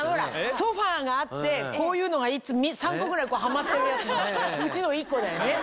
ソファがあってこういうのが３個ぐらいはまってるやつのうちの１個だよね？